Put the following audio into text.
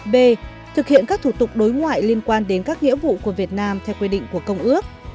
b thực hiện các thủ tục đối ngoại liên quan đến các nghĩa vụ của việt nam theo quy định của công ước